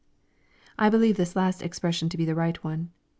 I believe this last explanation to be the right one.